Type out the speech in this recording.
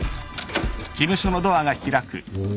お。